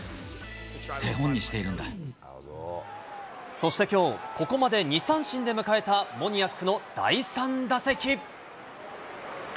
そしてきょう、ここまで２三振で迎えたモニアックの第３打席。